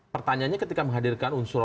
pertanyaannya ketika menghadirkan unsur